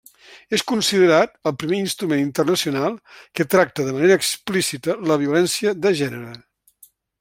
És considerat el primer instrument internacional que tracta de manera explícita la violència de gènere.